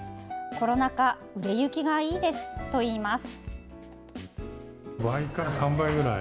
コロナ禍売れ行きがいいといいます。